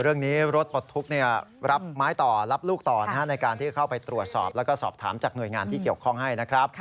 เรื่องนี้รถปลดทุกข์รับไม้ต่อรับลูกต่อในการที่เข้าไปตรวจสอบแล้วก็สอบถามจากหน่วยงานที่เกี่ยวข้องให้นะครับ